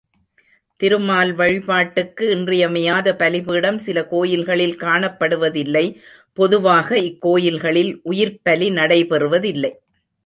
திருமால் வழிபாட்டிற்கு இன்றியமையாத பலிபீடம் சில கோயில்களில் காணப்படுவதில்லை, பொதுவாக இக் கோயில்களில் உயிர்ப் பலி நடைபெறுவதில்லை.